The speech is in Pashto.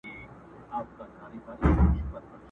هم په زور او هم په ظلم آزمېیلي!